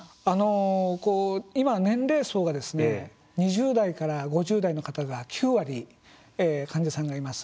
今、年齢層が２０代から５０代の方が９割、患者さんがいます。